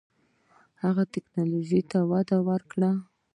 هغه ټیکنالوژۍ ته وده ورکړه.